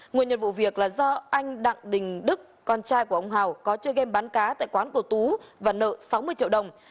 nguyên nhân vụ việc là do anh đặng đình đức con trai của ông hào có chơi game bán cá tại quán của tú và nợ sáu mươi triệu đồng